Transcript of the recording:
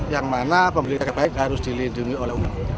yang mana pembeli kata baik harus dilindungi oleh umum